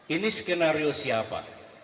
ini skenario siapa